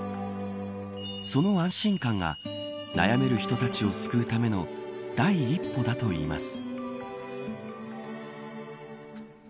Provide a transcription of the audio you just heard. その安心感が悩める人たちを救うための第一歩だといいます。